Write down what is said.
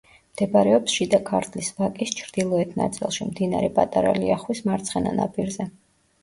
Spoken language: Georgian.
მდებარეობს შიდა ქართლის ვაკის ჩრდილოეთ ნაწილში, მდინარე პატარა ლიახვის მარცხენა ნაპირზე.